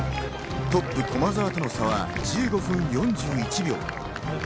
トップ駒澤との差は１５分４１秒。